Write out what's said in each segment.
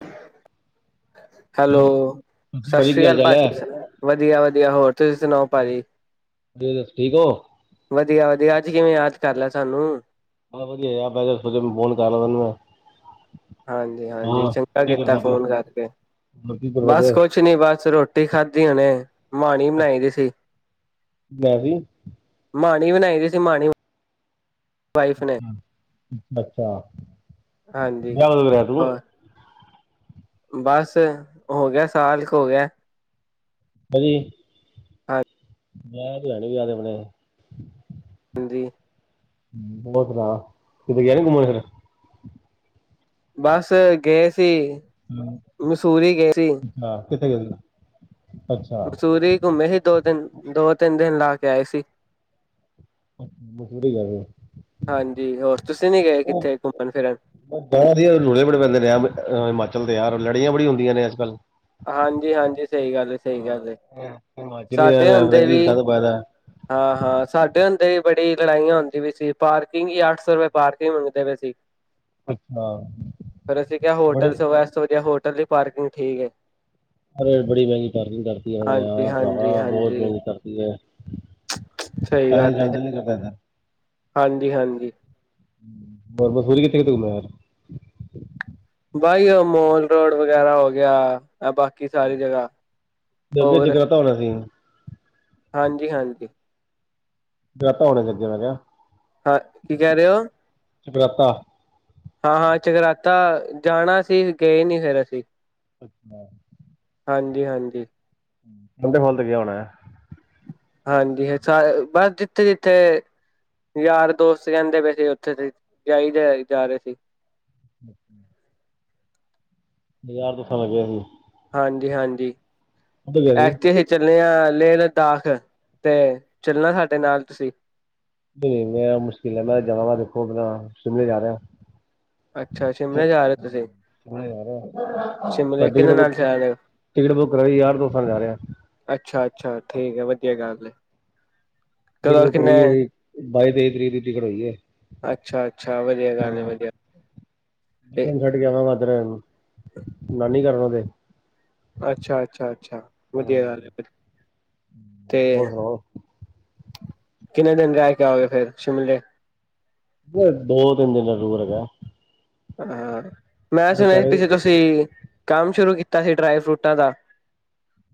[unintelligible] Hello, ਹਾਂਜੀ ਸਤਿ ਭਾਜੀ ਸ਼੍ਰੀ ਕੀ ਹਾਲ ਅਕਾਲ ਚਾਲ ਹੈ ਪਾਜੀ, ਵਧੀਆ ਵਧੀਆ ਹੋਰ ਤੁਸੀਂ ਸੁਣਾਓ ਹੋਰ ਪਾਜੀ। ਤੁਸੀਂ ਦੱਸੋ ਠੀਕ ਹੋ। ਵਧੀਆ ਵਧੀਆ ਅੱਜ ਕਿਵੇਂ ਯਾਦ ਕਰ ਲਿਆ ਸਾਨੂੰ। ਬ ਵਧੀਆ ਯਾਰ, ਮੈਂ ਸੋਚਿਆ ਤੈਨੂੰ ਫੋਨ ਕਰ ਲੈਣੇ ਆ। ਹਾਂਜੀ ਹਾਂਜੀ ਚੰਗਾ ਕੀ ਕੀਤਾ ਕਰਦਾ ਪਿਆ ਫੋਨ ਕਰਕੇ। ਹੋਰ ਕੀ ਕਰਦਾ ਬਸ ਪਿਆ ਕੁਛ ਨੀ ਬਸ ਰੋਟੀ ਖਾਧੀ ਹੁਣੇ ਮਾਣੀ ਬਣਾਈ ਦੀ ਸੀ। ਮੈਂ ਵੀ ਮਾਣੀ ਬਣਾਈ ਦੀ ਸੀ ਮਾਣੀ। ਵਾਈਫ ਨੇ, ਅੱਛਾ ਅੱਛ ਅੱਛਾ। ਹਾਂਜੀ ਵਿਆਹ ਕਦੋਂ ਕਰਾਇਆ ਤੂੰ ਹੋਰ ਬਸ ਹੋ ਗਿਆ ਸਾਲ ਕੁ ਹੋ ਗਿਆ। ਹਾਂਜੀ ਅੱਛ ਮੈਂ ਲੈਣੇ ਵੀ ਜਾਦੇ ਬਣੇ। ਦਿਲ ਜੀ ਹੋਰ ਸੁਣਾ ਕਿਤੇ ਗਿਆ ਸੀ ਘੁੰਮਣ ਫਿਰਨ ਬਸ ਗਏ ਸੀ ਮਸੂਰੀ ਗਏ ਸੀ। ਹਾਂ ਕਿਥੇ ਗਏ ਸੀ। ਅੱਛਾ ਮਸੂਰੀ ਘੁੰਮੇ ਸੀ ਦੋ ਦਿਨ ਦੋ ਤਿੰਨ ਦਿਨ ਲਾ ਕੇ ਆਏ ਸੀ। ਮਸੂਰੀ ਗਏ ਸੀ ਹਾਂਜੀ ਹੋਰ ਤੁਸੀਂ ਨੀ ਗਏ ਕਿੱਥੇ ਘੁੰਮਣ ਫਿਰਨ। ਬ ਰੁਲੇ ਬੜੇ ਪੈਂਦੇ ਨੇ ਹਿਮਾਚਲ ਦੇ ਯਾਰ ਲੜੀਆਂ ਬੜੀ ਹੁੰਦੀਆਂ ਨੇ ਅਜਕੱਲ। ਹਾਂਜੀ ਹਾਂਜੀ ਸਹੀ ਗੱਲ ਏ ਸਹੀ ਗੱਲ ਏ ਹਾਂ ਹਿਮਾਚਲੀ ਸਾਡੇ ਮੈਂ ਪਤਾ ਹੁੰਦੇ ਕੀ ਵੀ। ਗੰਦ ਪਾਇਆ ਦਾ ਹਾਂ ਹਾਂ ਸਾਡੇ ਹੁੰਦੇ ਵੀ ਬੜੀ ਲੜਾਈਆਂ ਹੁੰਦੀਆਂ ਪਈਆਂ ਸੀ ਪਾਰਕਿੰਗ ਹੀ ਅੱਠ ਸੌ ਰੁਪਏ ਪਾਰਕਿੰਗ ਮੰਗਦੇ ਪਏ ਸੀ। ਅੱਛਾ। ਫਿਰ ਅਸੀਂ ਕਿਹਾ ਬੜੇ ਹੋਟਲ ਚ ਰੈਸਟ ਹੋ ਜਾਏ ਹੋਟਲ ਦੀ ਪਾਰਕਿੰਗ ਠੀਕ ਹੈ। ਰੇਟ ਬੜੀ ਮਹਿੰਗੀ ਪਾਰਕਿੰਗ ਕਰਤੀ ਉਹ ਨੇ ਯਾਰ ਭਰਾਵਾ ਬਹੁਤ ਹਾਂਜੀ-ਹਾਂਜੀ-ਹਾਂਜੀ ਮਹਿੰਗੀ ਕਰਤੀ ਐ ਸਹੀ ਗੱਲ ਏ ਹਾਂਜੀ ਹਾਂਜੀ। ਹੋਰ ਮਨਸੂਰੀ ਕਿੱਥੇ ਕਿੱਥੇ ਘੁੰਮਿਆ। ਬਾਈ ਉਹ ਮੋਲ ਰੋਡ ਵਗੈਰਾ ਹੋ ਗਿਆ ਇਹ ਬਾਕੀ ਸਾਰੀ ਜਗ੍ਹਾ। ਜਲਦੇ ਜਗਰਾਤਾ ਹੋਣਾ ਸੀਗਾ ਹਾਂਜੀ ਹਾਂਜੀ ਜਗਰਾਤਾ ਹੋਣ ਲੱਗਿਆ ਮੈਂ ਕਿਹਾ ਹਾਂ ਕੀ ਕਹਿ ਰਹੇ ਔ ਜਗਰਾਤਾ ਹਾਂ ਹਾਂ ਜਗਰਾਤਾ ਜਾਣਾ ਸੀ ਗਏ ਨੀ ਫੇਰ ਅਸੀਂ ਅੱਛਾ ਹਾਂਜੀ ਹਾਂਜੀ ਬੰਦੇ ਕੋਲ ਤਾ ਗਿਆ ਹੋਣਾ ਹਾਂਜੀ ਅ ਸਾਰੇ ਬਸ ਜਿੱਥੇ ਜਿੱਥੇ ਯਾਰ ਦੋਸਤ ਕਹਿੰਦੇ ਪਏ ਸੀ ਉੱਥੇ ਤੇ ਜਾਈਦਾ ਜਾ ਰਹੇ ਸੀ ਅੱਛਾ ਬਾਜ਼ਾਰ [unintelligible] ਹਾਂਜੀ ਹਾਂਜੀ ਐਥੇ ਚੱਲੇਆ ਲੇਹ ਲਦਾਖ ਤੇ ਚੱਲਣਾ ਸਾਡੇ ਨਾਲ ਤੁਸੀਂ ਨਹੀਂ ਮੇਰਾ ਮੁਸ਼ਕਿਲ ਹੈ ਮੈਂ ਜਾਣਾ ਵਾ ਦੇਖੋ ਆਪਣਾ ਸ਼ਿਮਲੇ ਜਾ ਰਿਹਾ। ਅੱਛਾ ਸ਼ਿਮਲੇ ਜਾ ਰਹੇ ਹੋ ਤੁਸੀਂ ਸ਼ਿਮਲੇ ਜਾ ਰਿਹਾ ਮੈਂ ਪਰ ਸ਼ਿਮਲੇ ਟਿਕਟ ਕਿਹਦੇ ਬੁੱਕ ਨਾਲ ਜਾ ਰਹੇ ਹੋ ਟਿਕਟ ਬੁੱਕ ਕਰਾਈ ਯਾਰ ਤੋਂ ਸ ਜਾ ਰਿਹਾ ਅੱਛਾ ਅੱਛਾ ਠੀਕ ਆ ਵਧੀਆ ਗੱਲ ਏ ਗੜਬੋ ਕਰਈ ਹੈ ਬਾਈ ਤੇਈ ਤਰੀਕ ਦੀ ਟਿਕਟ ਹੋਈ ਹੈ ਅੱਛਾ ਅੱਛਾ ਵਧੀਆ ਗੱਲ ਹੈ ਵਧੀਆ ਤੇ ਬੱਚਿਆਂ ਨੂੰ ਛੱਡ ਕੇ ਆਵਾਂਗਾ [unintelligible] ਨਾਨੀ ਕਰਨ ਉਹਦੇ ਅੱਛਾ ਅੱਛਾ ਅੱਛਾ ਵਧੀਆ ਗਲ ਹੈ ਫਿਰ ਹੋਰ ਸੁਣਾਓ ਕਿੰਨੇ ਦਿਨ ਰਹਿ ਕੇ ਆਓਗੇ ਫੇਰ ਸ਼ਿਮਲੇ ਬਸ ਦੋ ਤਿੰਨ ਦਿਨ ਦਾ ਟੂਰ ਹੈ ਹਾਂ, ਮੈਂ ਉੱਥੇ ਸੁਣਿਆ ਪੈ ਸੀ ਗਏ ਪਿੱਛੇ ਤੁਸੀਂ ਕੰਮ ਸ਼ੁਰੂ ਕੀਤਾ ਸੀ ਡਰਾਈ ਫਰੂਟਾਂ ਦਾ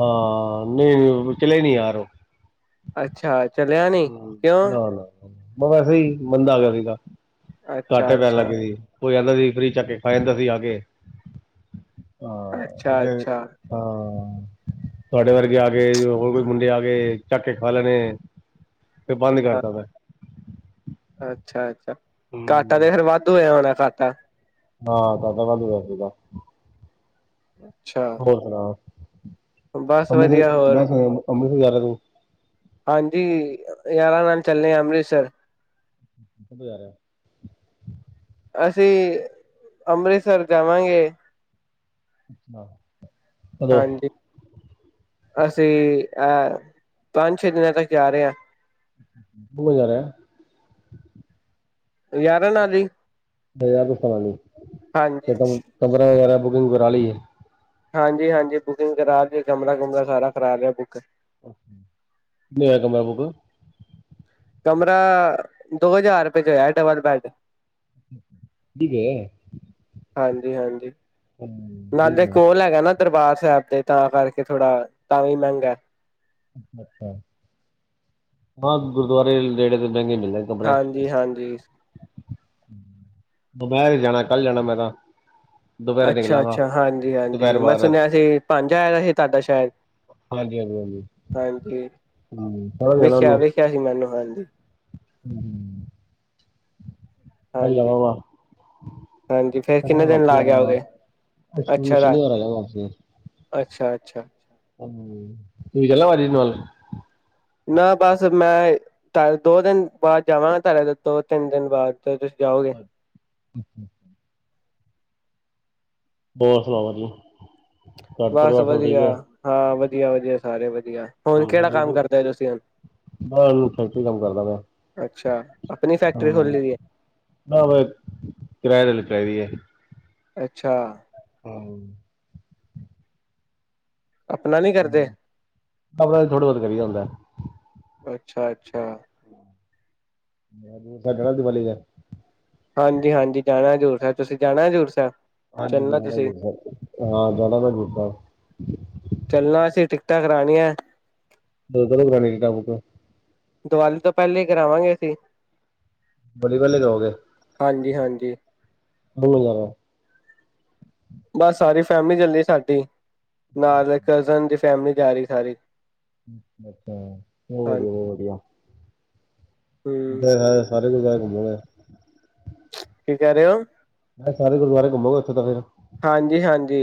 ਹਾਂ ਨਹੀਂ ਓ ਚਲੇ ਨੀ ਯਾਰ ਉਹ ਅੱਛਾ ਅੱਛਾ ਚਲਿਆ ਹਾਂ ਨਾ ਨਾ ਵੈਸੇ ਹੀ ਮੰਦਾ ਕਰੀਦਾ ਅੱਛਾ ਘਾਟੇ ਪੈਣ ਲੱਗ ਅੱਛਾ ਗਏ ਸੀ ਕੋਈ ਆਂਦਾ ਸੀ ਫਰੀ ਚੱਕ ਕੇ ਖਾ ਜਾਂਦਾ ਸੀ ਆ ਕੇ ਹਾਂ ਅੱਛਾ ਇਥੇ ਅੱਛਾ ਹਾਂ ਤੁਹਾਡੇ ਵਰਗੇ ਆ ਗਏ ਹੋਰ ਕੋਈ ਮੁੰਡੇ ਆ ਗਏ ਚੱਕ ਕੇ ਖਾ ਲੈਣੇ ਤੇ ਬੰਦ ਹਾਂ, ਕਰਦਾ ਮੈਂ ਅੱਛਾ ਅੱਛਾ ਹੂੰ ਘਾਟਾ ਤੇ ਫਿਰ ਵਾਧੂ ਹੋਇਆ ਹੋਣਾ ਘਾਟਾ ਹਾਂ ਘਾਟਾ ਵਾਧੂ ਹੋਇਆ ਸੀਗਾ ਅੱਛਾ ਹੋ ਸੁਣਾ ਬਸ ਵਧੀਆ ਅੰਮ੍ਰਿਤਸਰ ਹੋਰ ਮੈਂ ਸੁਣਿਆ ਅੰਮ੍ਰਿਤਸਰ ਜਾ ਰਿਹਾ ਤੂੰ ਹਾਂਜੀ ਯਾਰਾਂ ਨਾਲ ਚੱਲੇ ਆਂ ਅੰਮ੍ਰਿਤਸਰ ਕਿੱਥੇ ਜਾ ਰਿਹਾ ਅਸੀਂ ਅੰਮ੍ਰਿਤਸਰ ਜਾਵਾਂਗੇ ੱਹਾਂ ਹਾਂਜੀ, ਅਸੀਂ ਹੈਂ ਪੰਜ- ਛੇ ਦਿਨਾਂ ਤੱਕ ਜਾ ਰਹੇ ਹਾਂ ਤੂ ਜਾ ਰਿਹਾ ਯਾਰਾਂ ਨਾਲ ਹੀ ਯਾਰ ਦਾ ਪਤਾ ਨੀ ਹਾਂਜੀ ਕੀ ਪੰਦਰਾਂ ਵਗੈਰਾ ਬੁਕਿੰਗ ਕਰਾ ਲਈ ਹੈ ਹਾਂਜੀ- ਹਾਂਜੀ ਬੁਕਿੰਗ ਕਰਾਕੇ ਕਮਰਾ ਕੁਮਰਾ ਸਾਰਾ ਕਰਾ ਲਿਆ ਬੁੱਕ ਕਿਨੇ ਆ ਕਮਰਾ ਬੁੱਕ ਕਮਰਾ ਦੋ ਹਜ਼ਾਰ ਰੁਪਏ 'ਚ ਹੋਇਆ ਡਬਲ ਬੈਡ ਕੀ ਗੇ ਹਾਂਜੀ -ਹਾਂਜੀ ਠੀਕ ਹੈ ਨਾਲੇ ਕੋਲ ਹੈਗਾ ਨਾ ਦਰਬਾਰ ਸਾਹਿਬ ਦੇ ਤਾਂ ਕਰਕੇ ਥੋੜਾ, ਤਾਂ ਵੀ ਮਹਿੰਗਾ ਅੱਛਾ ਹਾਂ ਗੁਰਦੁਆਰੇ ਨੇੜੇ ਤੇ ਡੰਗੇ ਮਿਲ ਜਾਂਦੇ ਹਾਂਜੀ- ਹਾਂਜੀ ਦੁਮਹਿਰ ਜਾਣਾ ਕੱਲ ਜਾਣਾ ਮੈਂ ਕ ਅੱਛਾ ਅੱਛਾ ਹਾਂਜੀ ਹਾਂਜੀ ਦੁਪਹਿਰ ਮੈਂ ਬਾਅਦ ਰਾਤ ਸੁਣਿਆ ਸੀ ਪੰਜ ਆਇਆ ਸੀ ਤਾਡਾ ਸ਼ਹਿਰ ਹਾਂਜੀ ਹਾਂਜੀ ਹਾਂਜੀ ਹੂੰ ਕਹਾਂ ਜਾਣਾ ਉਹਨੂੰ ਦੱਸਿਆ ਸੀ ਮੈਨੂੰ ਹਾਂਜੀ ਹਮ ਹਾਂਜੀ ਮਲੋਵਾ ਹਾਂਜੀ ਫੇਰ ਕਿੰਨੇ ਦਿਨ ਲਾ ਕੇ ਆਓਗੇ [unintelligible] ਅਸੀ ਅੱਛਾ ਰਾ ਸ਼ਨੀਵਾਰ ਆ ਜਾਣਾ ਵਾਪਸੀ ਅੱਛਾ- ਅੱਛਾ ਹਾਂਜੀ ਤੁਸੀ ਚਲਣਾ ਇਨਵਾਲ ਨਾ ਬਸ ਮੈਂ ਏ ਤ ਦੋ ਦਿਨ ਬਾਅਦ ਜਾਵਾਂ, ਤੁਹਾਡੇ ਤੋਂ ਦੋ-ਤਿੰਨ ਦਿਨ ਬਾਅਦ ਤੁਸੀਂ ਜਾਓ। ਅੱਛਾ ਹੋਰ ਸੁਣਾਓ ਤੁਸੀਂ? ਬਸ ਵਧੀਆ ਹਾਂ, ਵਧੀਆ ਵਧੀਆ ਸਾਰੇ ਵਧੀਆ, ਹੁਣ ਕਿਹੜਾ ਕੰਮ ਕਰਦੇ ਤੁਸੀਂ ਹੁਣ? ਮੈਂ ਫੈਕਟਰੀ ਚ ਕੰਮ ਕਰਦਾ ਅੱਛਾ ਪਿਆ ਆਪਣੀ ਫੈਕਟਰੀ ਹਾਂ। ਖੋਲੀ ਦੀ ਹੈ ਨਾਵ ਕਿਰਾਏ ਤੇ ਲੱਗੀ ਹੋਈ ਐ। ਅੱਛਾ। ਆਹੋ। ਆਪਣਾ ਨੀ ਕਰਦੇ? ਆਪਣਾ ਥੋੜਾ ਬਹੁਤ ਕਰੀਦਾ ਹੁੰਦਾ ਅੱਛਾ ਅੱਛਾ। ਬੜਾ ਦੂਰ, ਸਾਡਾ ਕਿਹੜਾ ਦੀਵਾਲੀ ਐ। ਹਾਂਜੀ ਹਾਂਜੀ, ਜਾਣਾ ਹਜ਼ੂਰ ਸਾਹਿਬ। ਤੁਸੀਂ ਜਾਣਾ ਹਜ਼ੂਰ ਸਾਹਿਬ? ਹਾਂਜੀ ਚੱਲਣਾ ਜਾਣਾ ਤੁਸੀਂ ਹਜ਼ੂਰ ਸਾਹਿਬ, ਹਾਂ ਜਾਣਾ ਮੈਂ ਹਜ਼ੂਰ ਸਾਹਿਬ। ਚੱਲਣਾ ਅਸੀਂ ਟਿਕਟਾਂ ਕਰਾਣੀਆਂ। ਕਦੋਂ ਤੱਕ ਕਰਾਣੀਆ ਟਿਕਟਾਂ ਬੁੱਕ? ਦੀਵਾਲੀ ਤੋਂ ਪਹਿਲੇ ਹੀ ਕਰਾਵਾਂਗੇ ਅਸੀਂ। ਬੱਲੇ ਬੱਲੇ ਜਾਉਗੇ? ਹਾਂਜੀ ਹਾਂਜੀ। [inaudible] ਜਾਣਾ। ਬਸ ਸਾਰੀ ਫੈਮਿਲੀ ਚੱਲੀ ਸਾਡੀ, ਨਾਲ਼ ਕਜ਼ਨ ਦੀ ਫੈਮਿਲੀ ਜਾ ਰਹੀ ਸਾਰੀ। ਅੱਛਾ, ਬਹੁਤ ਵਧੀਆ ਹਾਂਜੀ ਬਹੁਤ ਵਧੀਆ। ਹਮ ਫੇਰ ਸਾਰੇ ਗੁਰਦੁਆਰੇ ਘੁੰਮੋਗੇ? ਕੀ ਕਹਿ ਰਹੇ ਓ? ਮੈਂ ਕਹਾ ਸਾਰੇ ਗੁਰਦਆਰੇ ਘੁੰਮੋਗਾ ਉੱਥੇ ਤਾਂ ਫਿਰ? ਹਾਂਜੀ ਹਾਂਜੀ,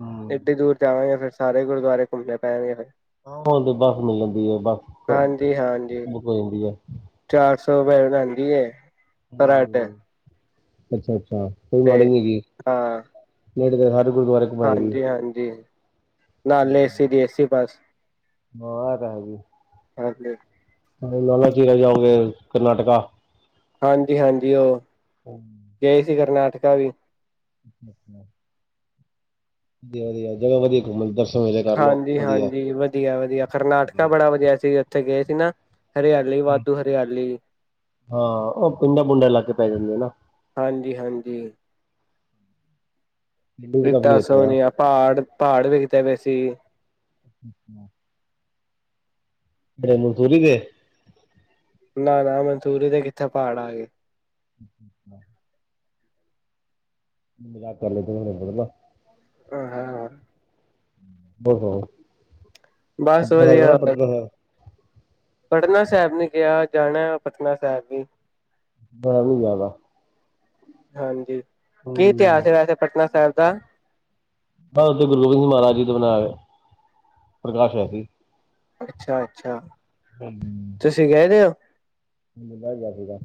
ਹਮ ਏਡੀ ਦੂਰ ਜਾਵਾਂਗੇ, ਫਿਰ ਸਾਰੇ ਗੁਰਦੁਆਰੇ ਘੁੰਮਣੇ ਪੈਣਗੇ ਫੇਰ। ਆਹੋ ਹੁਣ ਤੇ ਬੱਸ ਮਿਲ ਜਾਂਦੀ ਐ, ਬੱਸ ਹਾਂਜੀ ਹਾਂਜੀ ਬੁੱਕ ਹੋ ਜਾਂਦੀ ਐ। ਚਾਰ ਸੌ ਰੁਪਏ ਲੈਂਦੀ ਏ ਪਰਾਂਠੇ। ਹਮ ਅੱਛਾ ਅੱਛਾ, ਕੋਈ ਮੋਡਿੰਗ ਨੀ ਹੈਗੀ ਐ, ਹਾਂ ਨਹੀਂ ਤਾਂ ਫੇਰ ਹਰ ਗੁਰਦੁਆਰੇ ਘੁਮਾਏਗੀ ਹਾਂਜੀ ਹਾਂਜੀ, ਨਾਲੇ ਏ-ਸੀ ਦੀ ਏ-ਸੀ ਬੱਸ। ਮਹਾਰਾਜ। ਓਕੇ। ਨਾਲੇ ਨਾਨਕ ਝੀਰਾ ਜਾਓਗੇ ਕਰਨਾਟਕਾ? ਹਾਂਜੀ ਹਾਂਜੀ ਓ। ਹਮ ਗਏ ਸੀ ਕਰਨਾਟਕਾ ਵੀ। ਅੱਛਾ। ਵਧੀਆ ਵਧੀਆ, ਜਗਾ ਵਧੀਆ ਘੁੰਮਣ ਦ ਹਾਂਜੀ ਹਾਂਜੀ, ਵਧੀਆ ਵਧੀਆ ਕਰਨਾਟਕਾ ਬੜਾ ਵਧੀਆ ਸੀ, ਉੱਥੇ ਗਏ ਸੀ ਨਾ ਹਰਿਆ ਹੂੰ। ਹਾਂ, ਉਹ ਪਿੰਡਾਂ ਪੁੰਡਾ ਲਾਕੇ ਪੈ ਜਾਂਦੇ ਨੇ ਨਾ। ਹਾਂਜੀ ਹਾਂਜੀ। ਪਿੰਡ ਵੀ ਰੀਤਾ ਕਾਫੀ ਇੱਥੇ ਨਾ ਸੋਨੀਆ ਪਹਾੜ ਪਹਾੜ ਵੇਖਦੇ ਪਏ ਸੀ। ਅੱਛਾ। ਐ ਮਨਤੂਰੀ ਦੇ? ਨਾ ਨਾ ਮਨਤੂਰੀ ਦੇ ਕਿੱਥੇ ਪਹਾੜ ਆ ਗਏ। ਅੱਛ ਅੱਛਾ ਮਜ਼ਾਕ ਕਰਦੇ ਪਏ [inaudible] ਹਾਂ ਹਾਂ ਹਾਂ। ਔ ਹੋ ਬਸ ਪਤਾ ਲਗਿਆ ਵਧੀਆ ਪਤਾ। ਪਟਨਾ ਸਾਹਿਬ ਨੇ ਕਿਹਾ ਜਾਣਾ ਪਟਨਾ ਸਾਹਿਬ ਵੀ। ਮੈਂ ਵੀ ਜਾਣਾ। ਹਾਂਜੀ। ਹਾਂ ਕੀ ਇਤਿਹਾਸ ਹੈ ਵੈਸੇ ਪਟਨਾ ਸਾਹਿਬ ਦਾ? ਬੱਸ ੳਹ ਗੁਰੂ ਗੋਬਿੰਦ ਸਿੰਘ ਮਹਾਰਾਜ ਜੀ ਦੇ ਬਣਾਏ ਪ੍ਰਕਾਸ਼ ਹੋਇਆ ਸੀ। ਅੱਛਾ ਅੱਛਾ। ਹਮ ਤੁਸੀਂ ਗਏ ਦੇ ਹੋ। ਮਿਲਾ ਯਾਦੇ ਦਾ।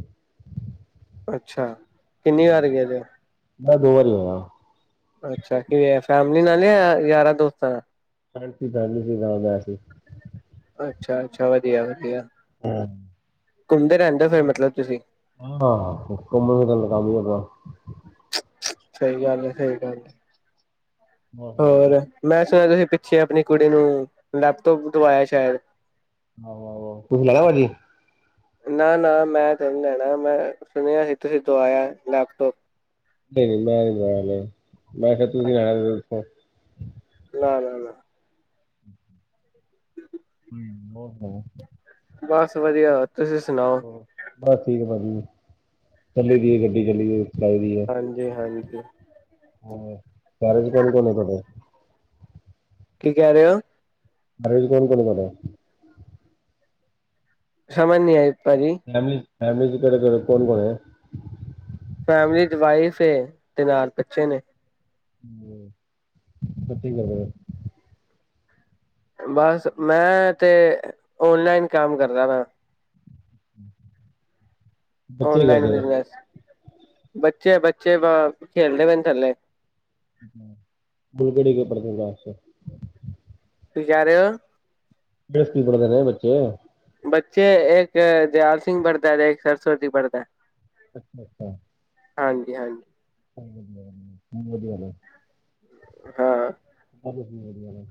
ਅੱਛਾ। ਕਿੰਨੀ ਵਾਰ ਗਏਦੇ ਹੋ? ਮੈਂ ਦੋ ਵਾਰੀ ਹੋਇਆ। ਅੱਛਾ। ਕਿਵੇਂ ਫੈਮਿਲੀ ਨਾਲ ਜਾਂ ਯਾਰਾਂ ਦੋਸਤਾਂ ਨਾਲ। ਆਂਟੀ ਫੈਮਲੀ ਨਾਲ ਗਯਾ ਸੀ। ਅੱਛਾ। ਅੱਛਾ। ਵਧੀਆ ਵਧੀਆ ਘੁੰਮਦੇ ਰਹਿੰਦੇ ਹੋ ਫਿਰ ਮਤਲਬ ਤੁਸੀਂ ਹਾਂ ਹੁਕਮ ਲਗਾਨੀ ਆ। ਸਹੀ ਗੱਲ ਹੈ। ਸਹੀ ਗੱਲ ਹੈ। ਹੋਰ ਮੈਂ ਸੁਣਿਆ। ਤੁਸੀਂ ਪਿੱਛੇ ਆਪਣੀ ਕੁੜੀ ਨੂੰ ਲੈਪਟੋਪ ਦਵਾਇਆ ਸ਼ਾਇਦ ਆਹੋ ਆਹੋ ਤੁਸੀਂ ਲੇਨਾ ਭਾਜੀ ਨਾ ਨਾ ਮੈਂ ਤੇ ਨਹੀਂ ਲੈਣਾ ਮੈਂ ਸੁਣਿਆ ਸੀ ਤੁਸੀਂ ਦਵਾਇਆ ਲੈਪਟੋਪ ਨਹੀਂ ਨਹੀਂ ਮੈਂ ਨਹੀਂ ਦਵਾਇਆ ਮੈਂ ਮੈਂ ਕਿਹਾ ਤੂੰ ਵੀ ਲੈਨਾ। ਨਾਂ ਨਾਂ ਨਾਂ। ਹਮ ਹੋਰ ਸੁਨਾਉ। ਬੱਸ ਵਧੀਆ ਤੁਸੀਂ ਸੁਣਾਓ। ਬਸ ਠੀਕ ਏ ਭਾਜੀ ਚੱਲੀ ਦੀ ਹੈ ਗੱਡੀ ਚੱਲੀ ਦੀ ਚਲਾਈ ਦੀ ਹੈ। ਹਾਂਜੀ ਹਾਂਜੀ। ਘਰ ਵਿਚ ਕੋਣ ਕੋਣ ਹੈ ਤੁਹਾਡੇ? ਕੀ ਕਹਿ ਰਹੇ ਹੋ? ਘਰ ਵਿੱਚ ਕੋੌਣ ਹੈ ਤੁਹਾਡੇ? ਸਮਝ ਨਹੀਂ ਆਈ ਭਾਜੀ। ਫੈਮਲੀ ਫੈਮਿਲੀ ਚ ਕੇੜੇ ਕੇੜੇ ਕੋਣ ਕੋਣ ਏ। ਫੈਮਿਲੀ ਚ ਵਾਈਫ ਏ ਤੇ ਨਾਲ ਬੱਚੇ ਨੇ। ਸਤ ਕਰ [unintelligible] ਬਸ ਮੈਂ ਤੇ ਔਨਲਾਈਨ ਕੰਮ ਕਰਦਾ ਪਇਆ। ਬੱਚੇ ਔਨਲਾਈਨ ਕਰਦੇ ਬਿਜਨਸ ਬੱਚੇ, ਬੱਚੇ ਬ ਖੇਲਦੇ ਪਏ ਨੇ ਥੱਲੇ। ਮੁਲਗੜੀ ਕੇ ਪੜਦੇ [unintelligible] ਕਿ ਕੇਹ ਰਹੇ ਹੋ। ਬੇਸਤੀ ਬੜਦੇ ਨੇ ਬੱਚੇ [unintelligible] ਬੱਚੇ ਇੱਕ ਦਿਆਲ ਸਿੰਘ ਪੜ੍ਹਦਾ ਵੇ। ਤੇ ਇੱਕ ਸਰਸਵਤੀ ਪੜ੍ਹਦਾ। ਅੱਛਾ ਅੱਛਾ। ਹਾਂਜੀ ਹਾਂਜੀ। ਵਧੀਆ। ਹਾਂ [unintelligible] ਵਧੀਆ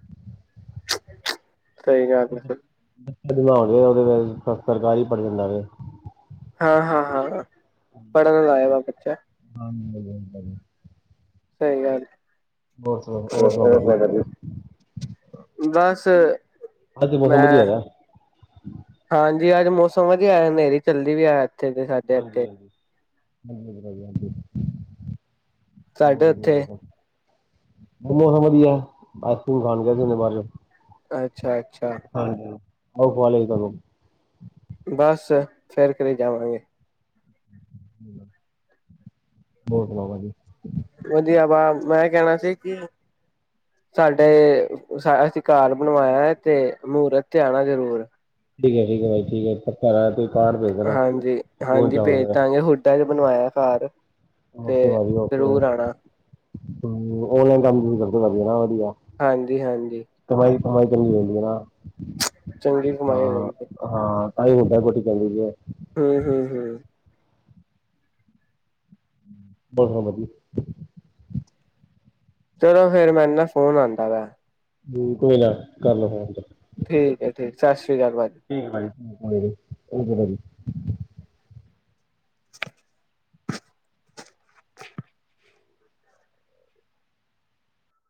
ਸਹੀ ਗੱਲ ਐ ਫੇਰ [unintelligible] ਉਹਦੇ ਫੇਰ ਸਰਕਾਰੀ ਪੜ ਜਾਂਦਾ ਵੇ ਹਾਂ, ਹਾਂ, ਹਾਂ ਪੜ੍ਹਨ ਲਾਇਆ ਵਾ ਬੱਚਾ ਹਾਂ ਜੀ [unintelligible] ਸਹੀ ਗੱਲ ਹੋਰ ਸੁਣਾਓ ਹੋਰ ਸੁਣਾਓ ਭਾਜੀ [unintelligible] ਬਸ ਅੱਜ ਮੌਸਮ ਵਧੀਆ ਮੈਂ ਹੈਗਾ ਹਾਂਜੀ ਅੱਜ ਮੌਸਮ ਵਧੀਆ ਹਨੇਰੀ ਚੱਲਦੀ ਪਈ ਐ ਇੱਥੇ ਤੇ ਸਾਡੇ ਹਾਂਜੀ, ਇੱਥੇ ਹਾਂਜੀ, ਹਾਂਜੀ, ਹਾਂਜੀ ਭਾਜੀ ਹਾਂਜੀ ਬਹੁਤ ਸਾਡੇ ਵਧੀਆ ਉੱਥੇ ਲੱਗਾ ਮੌਸਮ ਵਧੀਆ ਆਈਸਕ੍ਰੀਮ ਖਾਣ ਗਿਆ ਬਾਹਰ ਅੱਛਾ, ਅੱਛਾ ਹਾਂਜੀ ਉਹ [unintelligible] ਬਸ ਫੇਰ ਘਰੇ ਜਾਵਾਂਗੇ। ਹੋਰ ਸੁਣਾਓ ਭਾਜੀ ਵਧੀਆ ਵਾ ਮੈਂ ਕਹਿਣਾ ਸੀ ਕਿ ਸਾਡੇ ਅਸੀਂ ਘਰ ਬਣਵਾਇਆ ਤੇ ਮੁਹੂਰਤ ਤੇ ਆਣਾ ਜ਼ਰੂਰ ਠੀਕ ਏ, ਠੀਕ ਏ ਭਾਈ, ਠੀਕ ਏ ਪਰ ਹਾਂਜੀ, ਹਾਂਜੀ ਭੇਜ ਦਾਂਗੇ ਹੁੰਡਾ ਵੀ ਬਣਵਾਇਆ ਘਰ ਤੇ ਜ਼ਰੂਰ ਆਣਾ ਤੇ ਔਨਲਾਈਨ ਕੰਮ‌ ਸ਼ੁਰੂ ਕਰਦੇ ਭਾਈ ਵਧੀਆ ਹਾਂਜੀ, ਹਾਂਜੀ। ਕਮਾਈ ਕਮਾਈ ਕਿੰਨੀ ਹੋ ਜਾਂਦੀ ਆ ਚੰਗੀ ਕਮਾਇਆ ਹੋ ਜਾਂਦੀ ਹਾਂ ਤਾਂ ਹੀ ਹੁੰਡਾ ਕੋਠੀ ਪਾਈ ਹੋਈ ਐ ਹੂੰ, ਹੂੰ, ਹੂੰ ਬਸ ਵਧੀਆ ਚਲੋ ਫੇਰ ਮੈਨੂੰ ਨਾ ਫੋਨ ਆਂਦਾ ਵੇ ਕੋਈ ਨਾ ਕਰ ਲੋ ਫੇਰ ਹੈਡਲ ਠੀਕ ਏ ਠੀਕ ਏ ਸਤਿ ਸ਼੍ਰੀ ਅਕਾਲ ਭਾਜੀ। ਠੀਕ ਏ ਭਾਜੀ [unintelligible] ਭਾਜੀ [inaudible]